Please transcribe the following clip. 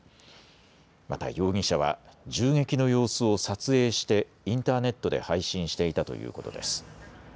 また容疑者は銃撃の様子を撮影してインターネットで配信していたということです。